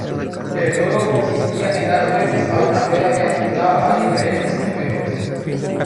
El juego consistía en dar vueltas a una rueda que apuntaba a diferentes números.